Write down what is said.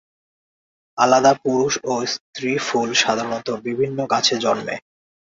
আলাদা পুরুষ ও স্ত্রী ফুল সাধারণত বিভিন্ন গাছে জন্মে।